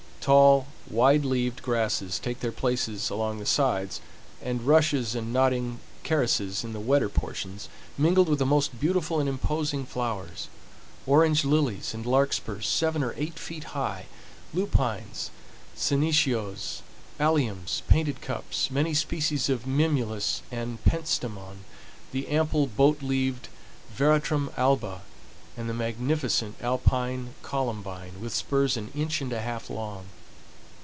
Tall, wide leaved grasses take their places along the sides, and rushes and nodding carices in the wetter portions, mingled with the most beautiful and imposing flowers,—orange lilies and larkspurs seven or eight feet high, lupines, senecios, aliums, painted cups, many species of mimulus and pentstemon, the ample boat leaved veratrum alba, and the magnificent alpine columbine, with spurs an inch and a half long.